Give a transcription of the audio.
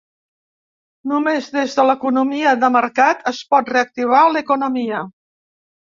Només des de l’economia de mercat es pot reactivar l’economia.